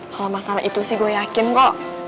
kalau masalah itu sih gue yakin kok